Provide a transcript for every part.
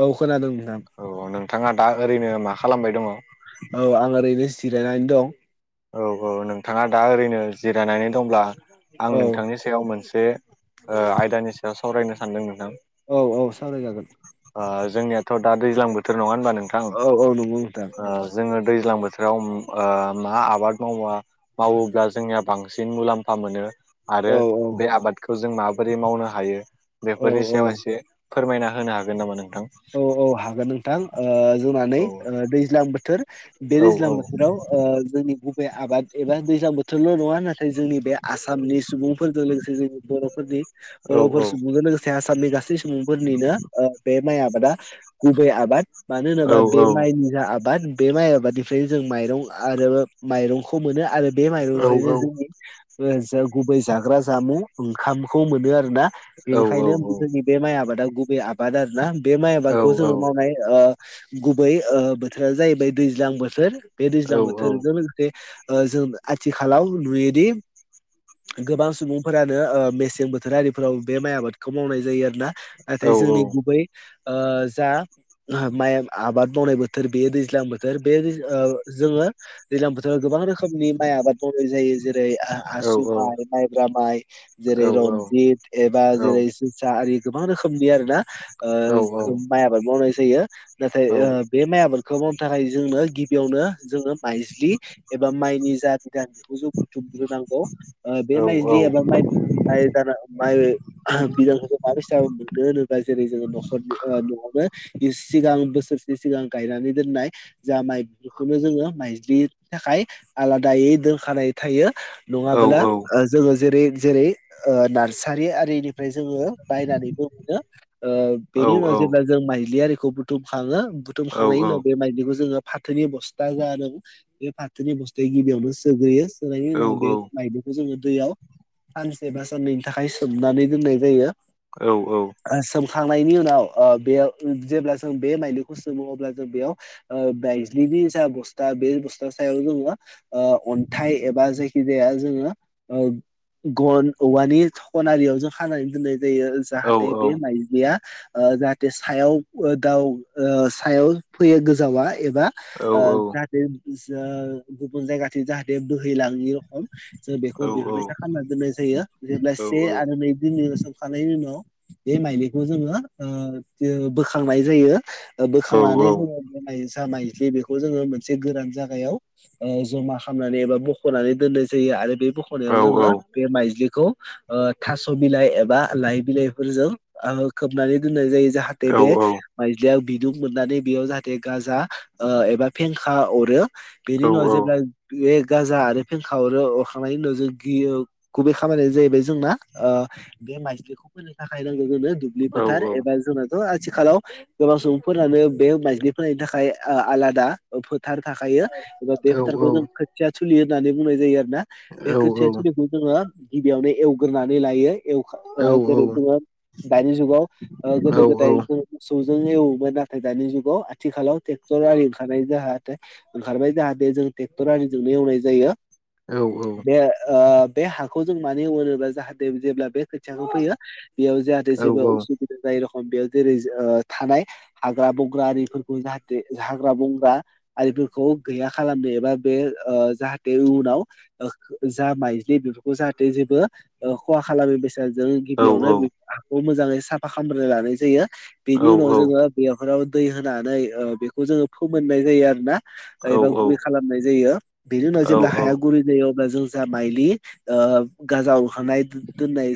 औ नोंथां औ नोंथाङा दा ओरैनो मा खालामबाय दङ। औ आं ओरैनो जिरायनानै दं। औ औ नोंथाङा दा ओरैनो जिरायनानै दंब्ला आं औ नोंथांनि सायाव मोनसे आयदानि सायाव सावरायनो सानदों नोंथां। औ औ सावरायजागोन। जोंनियाथ' दा दैज्लां बोथोर नङा होनबा नोंथां औ औ नंगौ नोंथां जोङो दैज्लां बोथोर बोोराव मा आबाद मावा मावोब्ला जोंनिया बांसिन मुलाम्फा मोनो। आरो औ बे औ आबादखौ जों माबोरै मावनो हायो औ बेफोरनि औ सायाव एसे फोरमायना होनो हागोन नामा नोंथां ह नोंथां औ दैज्लां बोथोर बे औ दैजां औ बोथोराव ओ बे आबाद एबाुइसाम बोथोरल' नङा नाथाय जोंनि बे आसामनि सुबुंफोरजों लोगोसे जोंनि बर'फोरनि औ बर'फोर औ सुबुंजों लोगोसे आसाम आसाम आसामनि गासै सुबुंफोरनिनो बे माइ आबादा गुबै आबाद मानो औ होनोबा बे माइनि जा आबाद बे माइ आबादनिफ्रायनो जों माइरं आरो माइरंखौ मोनो आरो बे माइरंनिफ्रायनो औ जोंनि जा गुबै जाग्रा जामुं ओंखामखौ मोनो आरो ा औ औ बेनिखायनो औ जोंनि बे माइ आबादा गुबै आबाद आरोना बे माइ आबादखौ जोङो मावनाय गुबै बोथोरा जाहैबाय दैज्लां बोथोर बे दैज्लां बोथोरजों लोगोसे जों आथिखालाव नुयोदि गोबां सुबुंफोरानो मेसें बोथोर आरिफोराव बे माइ आबादखौ मावनाय जायो आरो ना नाथाय जोंनि गुबै ओ जा माइ आबाद मावनाय बोथोर बे दैज्लां बोथोर बे ओ जोङो दैज्लां बोथोराव गोबां रोखोमनि माइ आबाद मावनाय जायो जेरै आसु माइ माइब्रा माइ जेरै रनजित एबा जेरै जोसा आरि गोबां रोखोमनि आरोना माइ आबाद मावनाय जायो नाथाय बे माइ आबादखौ मावनो थाखाय जों गिबियावनो जोङो माइज्लि एबा माइनि जा दान बेखौ जों बुथुमग्रोनांगौ बे माइज्लि एबा माइ माइ जाना माइ बिदांखौ जों माबायस मोनो होनोब्ला जेरै जोङो न'खरनि न'आवनो सिगां बोसोरसे सिगां गायनानै दोननाय जा माइ बेफोरखौनो जोङो माइज्लि नि थाखाय आलादायै दोनखानाय थायो नङाब्ला जोङो जेरै जेरै नारसारि आरो नि जो बायनानै मोन बेनि उनाव जेब्ला जों माइज्लि आरिखौ बुथुम खाङो बुथुमखांनायनि उनाव बे माइज्लिखौ जोङो फाथोनि बस्था जादों बे फाथोनि बस्थाया गिबियावनो सोग्रोयो होनायनि उनाव बे मायदखौ जोङो दैयाव सानसे बा साननैनि थाखाय सोमनानै दोननाय जायो औ औ खांनायनि उनाव बेयाव जेब्ला जों बे माइदिखौ सोमो अब्ला जों बेयाव माइज्लि नों जा बस्था बे बस्था सायाव जोङो अन्थाइ एबा जायखि जाया जोङो गन औवानि थखनारियाव जों खानानै दोननाय जायो जाहाथे बे माइजया जाहाथे सायाव दाउ ओ सायाव फैयो गोजावा एबा ओ जाहाथे ज गुबुन जायगाथिं जाहाथे बोहैला ङै रखम जे बेखौ बेफोर बायसा खालामना दोननाय जायो जेब्ला से आरो नै खाननैनि उनाव बे माइलिखौ जोङो बोखांनाय जायो बोखांनानै जोङो जा मायलि बेखौ जोङो मोन से गोरान जायाव जमा खालामनानै एबा बखनानै दोननाय जायो आरो बे बखनायाव जोङो बे माइजलिखौ थास बिलाइ एबा लाइ बिलाइफोरजों खोबनानै दोननाय जायो जाहाथे बे माइज्लिया बिदुं मोननानै बेयाव जाहाथे गाजा एबा फेंखा अरो बेनि उनाव जेब्ला एग गाजा आरो फेंखा अरो अरखांनायनि उनाव जों गियो गुबै खामानियानो जाहैबाय जोंना बे माइज्लिखौ फोनो थाखाया नांगौ जोंनो दुब्लि फोथार एबा जोंना आथिखालाव गोबां सुबुंफोरानो बे माइज्लि फनायनि थाखाय आलादा फोथार थाखायो एबा बे फोथारखौ जों खोथिया थिलि होननानै बुंनाय जायो आरो ना बे खोथिया सलिखौ जोङो गिबियावनो एवग्रोनानै लायो जेरै जोङो दानि जुगाव गोदो गोदाय जों गोलजों एवोमोन नाथाय दानि जुगाव आथिखालाव ट्रेक्टर आरि ओंखारनाय जाहा ओंखारबाय जाहा बे जों ट्रेक्टर आरिजोंनो एवनाय जायो बे ओ बे हाखौ जों मानि एवो होनोब्ला जाहाथे जेब्ला बे खोथियाखौ फोयो बेयाव जाहाथे जेबो उसुबिदा जाया बे रखम बे जेरै थानाय हाग्रा बंग्रा आरिफोरखौ जाहाथे हाग्रा बंग्रा आरिफोरखौ गैया खालामनो एबा बे जाहाथे उनाव जा माइज्लि बे बेखौ जाहाथे जेबो खहा खालामै बायसा जों गिबियावनो हाखौ मोजाङै साफा खालामग्रोनानै लानाय जायो बेनि उनाव जोङो बेयाव फोराव दै होनानै बेखौ जोङो फोमोननाय जायो आरोना एबा गुरै खालामनाय जायो बिनि उनाव जेब्ला हाया गुरै जायो जों जा माइलि गाजाखांनाय दोननाय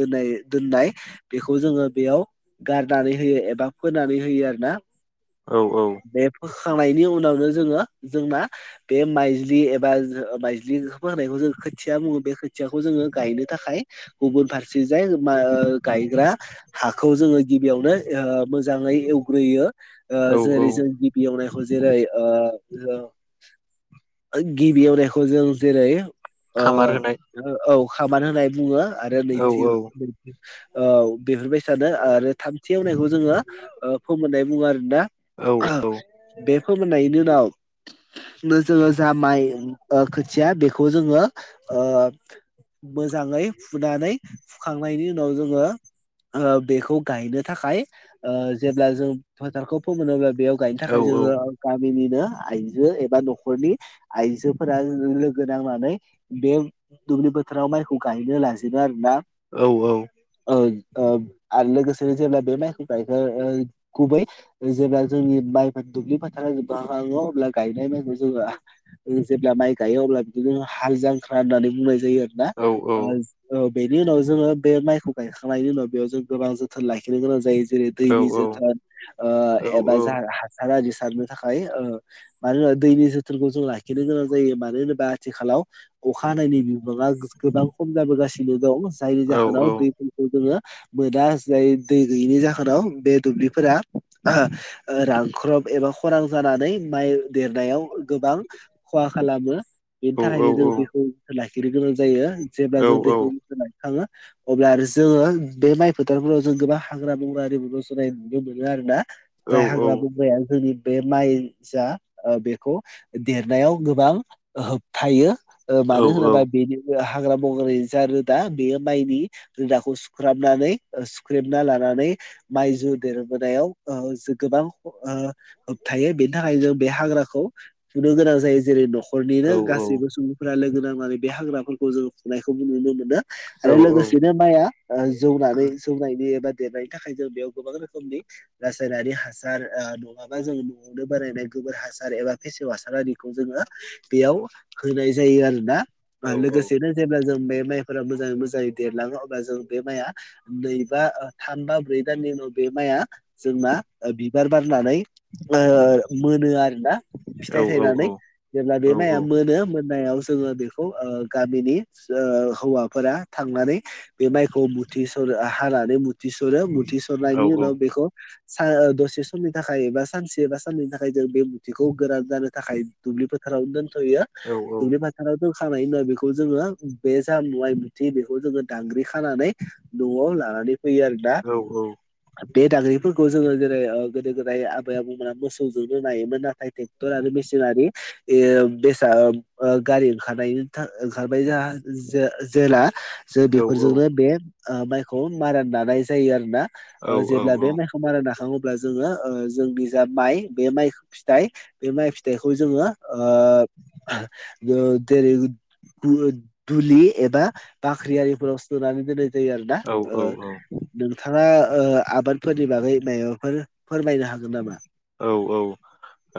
दोननाय दोननाय बेखौ जोङो बेयाव गारनानै होयो एबा फोनानै होयो आरोना औ औ फोखांनायनि उनावनो जोङो जोंना बे माइज्लि एबा माइज्लि फोनायखौ जों खोथिया बुङो बे खोथियाखौ जोङो गायनो थाखाय गुबुन फारसे जाय मा ओ गायग्रा हाखौ जोङो गिबियावनो मोजाङै एवग्रोयो जेरै जों गिबि एवनायखौ जेरै औ गिबि एवनायखौ जों जेरै औ खामानि होनना बुङो। आरो नैथि ओ बेफोरबाय सानो आरो थाम वनायखौ जोङो फोमोननाय बुङो आरोना बे फोमोननायनि उनाव नोसो जा माइ ओ खो खथिया बेखौ जोङो मोजाङै फुनानै फुखांनायनि उनाव जोङो बेखौ गायनो थाखाय जेब्ला जों फोथारखौ फोमोनोब्ला बेयाव गायनो थाखाय जोङो गामिनि आइजो एबा न'खरनि आइजोफोरा लोगो नांनानै बे दुब्लि बोथोराव माइखौ गायनो लाजोबो आरो ना। औ औ औ आरो लोगोसेनो जेब्ला बे माइखौ गायखो गुबै जेब्ला जोंनि माइफोर दुब्लिफोर फोारा जाङो अब्ला गायनाय माइखौ जोङो जेब्ला माइ गायो अब्ला बिदिनो हाल जां ख्रा होननानै बुंनाय जायो आरोना। बेनि उनाव जोङो बे माइ खौ गायखांनायनि उनाव बेयाव जों गोबां जोथोन लाखिनो गोनां जायो। जेरै दैनि जोथोन एबा हासार आरि सारनो थाखाय मानो होनोबा दैनि जोथोनखौ जों लाखिनो गोनां जायो मानो होनोबा आथिखालाव अखा हानायनि बिबाङा गोबां खम जाबोगासिनो दं जायनि जाहोनाव दै मोना जाय दै गैनि जाहोनाव बे दुब्लिफोरा ओ रान ख्रब एबा खरां जानानै माइ देरनायाव गोबां खहा खालामो। बेनि थाखायनो जोङो दैखौ जोथोन लाखिनो गोनां जायो जेब्ला जों दैखौ जोथोन लाखिखाङो। अब्ला आरो जोङो बे माइ फोथारफोराव जों गोबां हाग्रा बंग्रा आरओि रज'नाय नुनो मोनो आरो ना। जाय हाग्रा बबाया जोंनि बे माइ जा बेखौ देरनायाव गोबां होबथायो। मानो होनोबा बेनि हाग्रा बंग्रानि जा रोदा बेयो माइनि जों दाखौ सुख्राबनानै सुख्रेमना लानानै माइ जु देरबोनायाव गोबां थायो। बेनि थाखायनो जों बे हाग्राखौ फुनो गोनां जायो। जेरै न' हरनिनो गासैबो सुबुंफोरा लोगो नांनानै बे हाग्राफोरखौ जों खुंनायखौबो नुनो मोनो। औ औ बिनो माइया जौनानै जौनायनि एबा देरनायनि थाखाय जों बेयाव गोबां रोखोमनि रायारि हासार नङाबा जों न'आवनो बानायायनाय गोबोर हासार एबा फेसेव हासार आरिखौ जोङो बेयाव होनाय जायो आरोना। लोगोसेनो जेब्ला जों बे माइफोरा मोजाङै मोजाङै देरलाङो अब्ला जों बे माइआ नैबा थाम बा ब्रै दाननि उनाव बे माइआ जोंना ओ बिबार बारनानै ओ मोनो आरो ना फिथाइ सायनानै जेब्ला बे माइआ मोनो मोननायाव जोङो बेखौ गामिनि हौवाफोरा थांनानै बे माइखौ मुथि सरो हानानै मुथि सरो मुथि सरनायनि उनाव बेखौ स दसे समनि थाखाय एबा सानसे एबा साननैनि थाखाय जों बे मुथिखौ गोरान जानो थाखाय दुब्लि फोथाराव दोन थायो दुब्लि फोथाराव फोखांनाय उनाव बेखौ जोङो बे जामु थि बेखौ जोङो दांग्रि खानानै न'आव लानानै फैयो आरो दा बे दागै खौ जोङो जेरै गोदो गोदाय आबै आबौमोना मोसौजोंनो नायोमोन। नाथाय ट्रेक्टर आरो मेसिनारि बेस गारि ओंखारनायनि ओंखारबाय जों जेला जों बेफोरजोंनो बे माइखौ मारा लानाय जायो आरो ना? ओ जेब्ला बे माइखौ मारा नाखाङो अब्ला जोङो ओ जोंनि जा माइ बे माइ फिथाइ बे माइ फिथाइखौ जोङो ओ ओ जेरै [unintelligible] दुलि एबा बाख्रिआरिफोराव सोनानै दोननाय जायो आरोना ओ नोंथाङा ओ आबादफोरनि बागै मायबाफोर औ औ ओ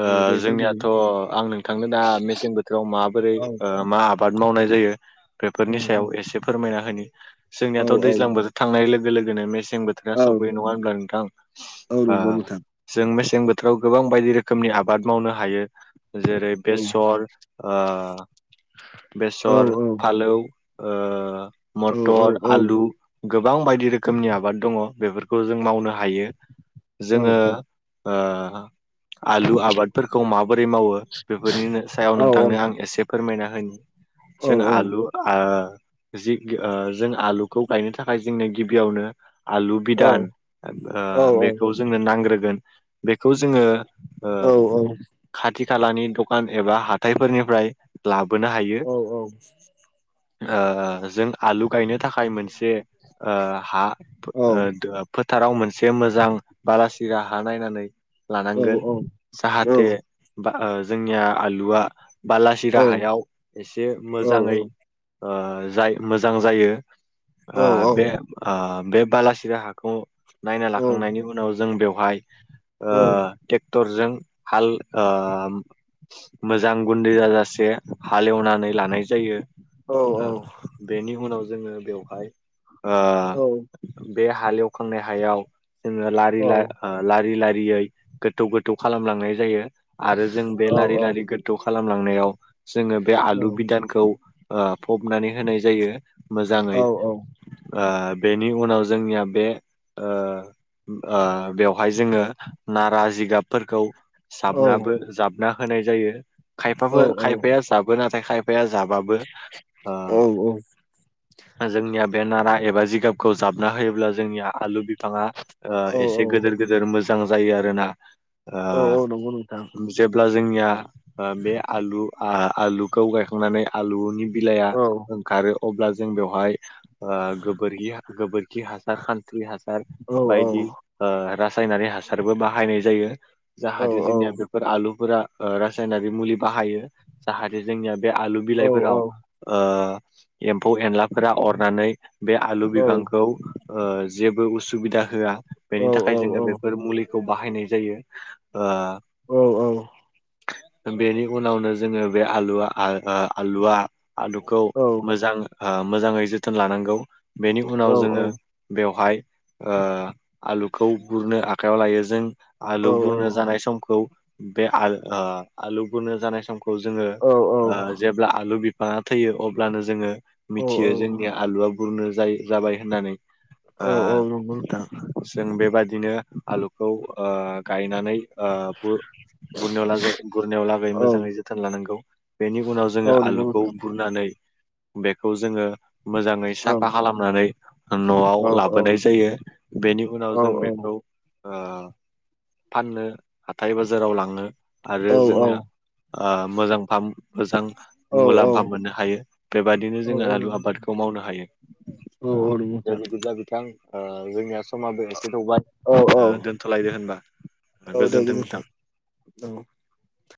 औ दे जोंनियाथ' फोरमायलाय आं नोंथांनो दा मेसें बोथोराव माबोरै औ मा आबाद मावनाय जायो जायो औ बेफोरनि सायाव एसे फोरमायना होनि औ जोंनियाथ' औ दैज्लां बोथोर थांनाय लोगो लोगोनो मेस मसें बोथोरा औ सौफैयो नङा होनोमब्ला नोंथां औ नंगौ नोंथां ओ जों मेसें बोथोराव गोबां बायदि रोखोमनि आबाद मावनो हायो जेरै औ बेसर ओ औ बेसर औ फालौ ओ औ औ मटर औ आलु गोबां बायदि रोखोमनि आबाद दङ बेफोरखौ जों मावनो हायो औ जोङो ओ आलु आबादफोरखौ माबोरै मावो बेफोरनि सायाव नोंथांनो आं एसे फोरमायना होनि जों आलु आ जि गि ओ जों आलुखौ गायनो थाखाय जोंनो गिबियावनो आलु बिदान ओ बेखौ जोंनो नांग्रोगोन बेखौ जोङो ओ खाथि खालानि दखान एबा हाथायफोरनिफ्राय लाबो बोनो हायो औ औ ओ जों आलु गायनो थाखाय मोनसे ओ हा [unintelligible] फोथाराव मोनसे मोजां बलासि सिरा नायनानै लानांगोन जाहाथे बा ओ जोंनिया आलुआ बालासिरा हायाव एसे मोजाङै ओ जाय मोजां जायो ओ बे ओ बे बालासिरा हाखौ नायना लाखांनायनि उनाव जों बेवहाय ओ ट्रेक्टरजों हाल ओ मोजां गुन्दै जाजासे हालेवनानै लानाय जायो बेनि उनाव जोङो बेवहाय ओ औ बे हालेवखांनाय हायाव जोङो लारि ला ओ लारि लारियै गोथौ गोथौ खालामलांनाय जायो आरो जों बे लारि लारि गोथौ खालामलांनायाव जोङो बे आलु बिदानखौ फबनानै होनाय जायो मोजाङै ओ बेनि उनाव जोंनिया बे ओ ओ बेव फाय जोङो नारा जिगाबफोरखौ साबनाबो जाबना होनाय जायो खायफाबो खायफाया जाबो नाथाय खायफाया जाबाबो ओ जोंनिया बे नारा एबा जिगाबखौ जाबना होयोब्ला जोंनिया आलु बिफाङा ओ एसे गोदोर गोदोर मोजां जायो आरोना नंगौ नोंथां जेब्ला जोंनिया बे आलु आ आलुखौ गायखांनानै आलुनि बिलाइआ औ ओंखारो अब्ला जों बेवहाय ओ गोबोरखि गोबोरखि हासार खानस्रि हासार बायदि ओ रायनारि हासारबो बाहायनाय जायो औ जाहाथे जोंनिया बेफोर आलुफोरा ओ रासायनारि मुलि बाहायो जाहाथे जोंनिया बे आलु बिलाइफोराव ओ एम्फौ एनलाफोरा अरनानै बे आलु बिफांखौ ओ जेबो उसुबिदा होआ बेनि थाखाय जो बेफोर मचलिखौ बाहायनाय जायो ओ बेनि उनावनो जोङो बे आलुआ [unintelligible] आलुआ आलुखौ मोजां मोजाङै जोथोन लानांगौ बेनि उनाव जोङो बेवहाय आलुखौ गुरनो आखाइायाव लायो जों आलु बुरनो जानाय समखौ बे आल आलु बुरो जानाय समखौ जोङो जेब्ला आलु मा थैयो अब्लानो जोङो मिथियो जोंनि आलुआ बुरनो ज जाबाय होननानै जों बेबादि बिदिनो आलुखौ गायनानै ब गुरनायाव ला गुरनायाव लागै मोजाङै जोथोन लानांगौ बेनि उनाव जोङो आलुखौ गुरनानै बेखौ जोङो मोजाङै साफा खालामनानै न'आव लाबोनाय जायो बेनि उनाव जों बे फाननो हाथथाय बाजाराव लाङो आरो जोंना मोजां फाह मोजां मुलाम्फा मोननो हायो बेबायाददिनो जोङो आलु आबादखौ मावनो हायो द बिदिब्ला बिथां जोंनिया समाबो एसे थौबाय दोनथ'लायदो होनबा गोजोन्थों नोंथां औ